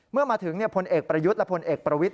เมื่อมาถึงพลเอกประยุทธ์และพลเอกประวิทธ